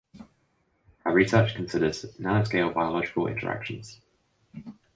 Her research considers nanoscale biological interactions.